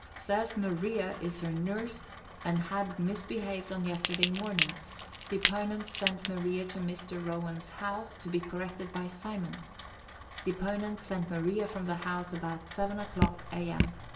—Says Maria is her nurse, and had misbehaved on yesterday morning; deponent sent Maria to Mr. Rowand's house, to be corrected by Simon; deponent sent Maria from the house about seven o'clock, A. M.